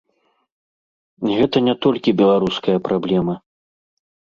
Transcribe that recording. І гэта не толькі беларуская праблема.